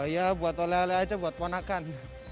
ya buat oleh oleh aja buat ponakan